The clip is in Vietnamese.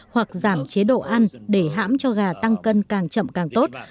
hoặc giảm chế độ ăn để hãm cho gà tăng cân càng chậm càng tốt